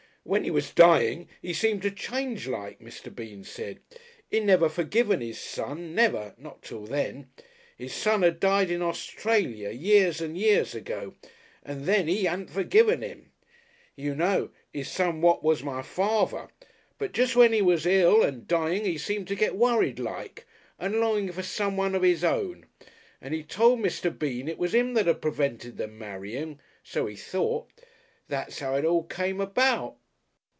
When 'e was dying, 'e seemed to change like, Mr. Bean said. 'E'd never forgiven 'is son, never not till then. 'Is son 'ad died in Australia, years and years ago, and then 'e 'adn't forgiven 'im. You know 'is son what was my father. But jest when 'e was ill and dying 'e seemed to get worried like and longing for someone of 'is own. And 'e told Mr. Bean it was 'im that had prevented them marrying. So 'e thought. That's 'ow it all come about...."